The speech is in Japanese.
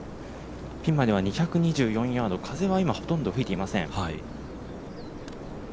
ピンまでは２２４ヤード、風は今ほとんど吹いていません。